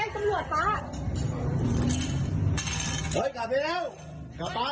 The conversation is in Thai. ป๊าช่วยกับตัวแจ้งสำรวจป๊า